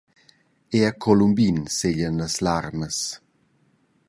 Era a Columbin seglian las larmas.